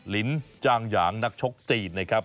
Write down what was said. ลินจางหยางนักชกจีนนะครับ